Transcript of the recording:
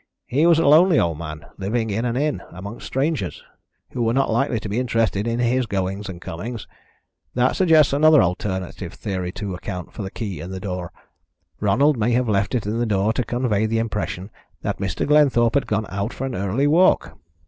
He was a lonely old man living in an inn amongst strangers, who were not likely to be interested in his goings and comings. That suggests another alternative theory to account for the key in the door: Ronald may have left it in the door to convey the impression that Mr. Glenthorpe had gone out for an early walk.